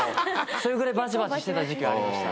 それぐらいバチバチしてた時期はありました。